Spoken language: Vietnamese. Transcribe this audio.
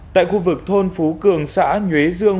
tại khu vực thôn phú cường xã nhuế dương